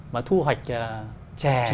mà thu hoạch trè